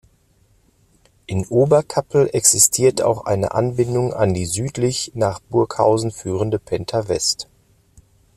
In Oberkappel existiert auch eine Anbindung an die südlich nach Burghausen führende Penta-West.